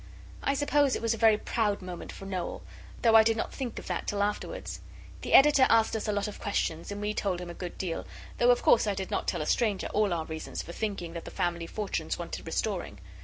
I suppose it was a very proud moment for Noel, though I did not think of that till afterwards. The Editor asked us a lot of questions, and we told him a good deal, though of course I did not tell a stranger all our reasons for thinking that the family fortunes wanted restoring.